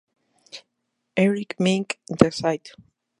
Eric Mink de St.